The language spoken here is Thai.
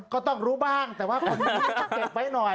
ก็ต้องรู้บ้างแต่ว่าเก็บไว้หน่อย